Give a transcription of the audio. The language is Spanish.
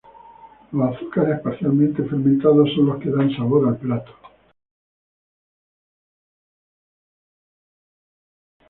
Los azúcares parcialmente fermentados son los que dan sabor al plato.